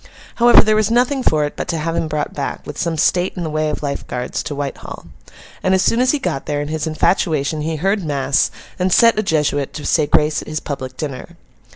However, there was nothing for it but to have him brought back, with some state in the way of Life Guards, to Whitehall. And as soon as he got there, in his infatuation, he heard mass, and set a Jesuit to say grace at his public dinner.